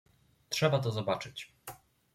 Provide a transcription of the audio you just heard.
"Trzeba to zobaczyć."